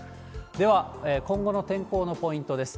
では、今後の天候のポイントです。